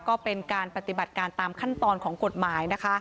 ก็เป็นการปฏิบัติการตามขั้นตอนของกฎหมายนะคะ